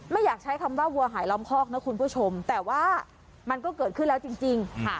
อยากใช้คำว่าวัวหายล้อมคอกนะคุณผู้ชมแต่ว่ามันก็เกิดขึ้นแล้วจริง